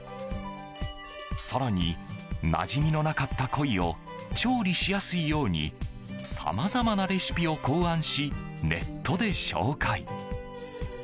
更に、なじみのなかった鯉を調理しやすいようにさまざまなレシピを考案しネットで紹介。